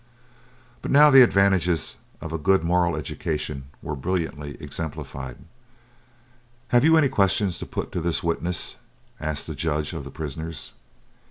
But now the advantages of a good moral education were brilliantly exemplified. "Have you any questions to put to this witness?" asked the Judge of the prisoners.